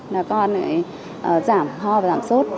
là con giảm ho và giảm sốt